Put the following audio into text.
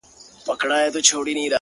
• او کوښښ کوي چي د ده شعر ,